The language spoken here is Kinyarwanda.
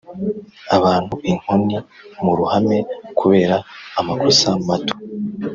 abantu inkoni mu ruhame kubera amakosa mato